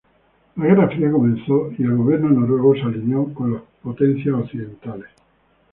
La Guerra Fría comenzó y el Gobierno noruego se alineó con las potencias occidentales.